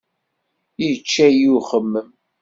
Yečča-yi uxemmem.